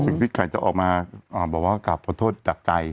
พี่ไข่จะออกมาบอกว่ากลับขอโทษจากใจ